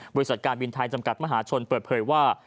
บริษัทการบินไทยจำกัดมหาชนเปิดเผยว่า